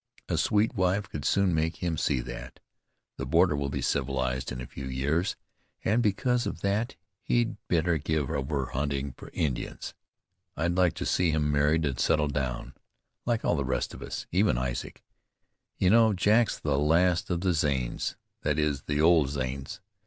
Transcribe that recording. A sweet wife could soon make him see that. The border will be civilized in a few years, and because of that he'd better give over hunting for Indians. I'd like to see him married and settled down, like all the rest of us, even Isaac. You know Jack's the last of the Zanes, that is, the old Zanes.